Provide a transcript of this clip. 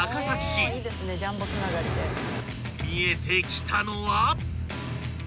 ［見えてきたのは］